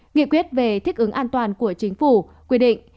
nghị quyết về thích ứng an toàn của chính phủ quy định